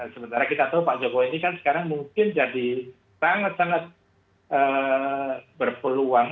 sementara kita tahu pak jokowi ini kan sekarang mungkin jadi sangat sangat berpeluang